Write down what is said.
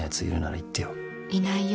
いないよ。